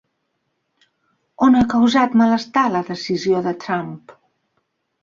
On ha causat malestar la decisió de Trump?